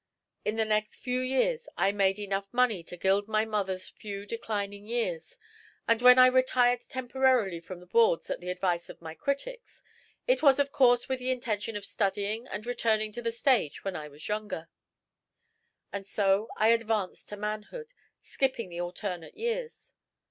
In the next few years I made enough money to gild my mother's few declining years; and when I retired temporarily from the boards at the advice of my critics, it was of course with the intention of studying and returning to the stage when I was younger. And so I advanced to manhood, skipping the alternate years.